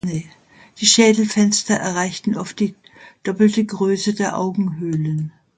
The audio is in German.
Die Schädelfenster erreichten oft die doppelte Größe der Augenhöhlen.